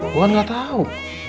gue gak tahu